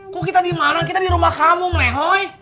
kok kita dimana kita di rumah kamu melehoi